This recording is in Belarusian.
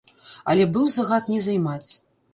Але быў загад не займаць.